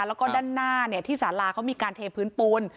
แล้วก็ด้านหน้าที่สาราเขามีการเทพื้นปูน